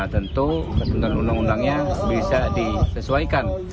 tentu dengan undang undangnya bisa disesuaikan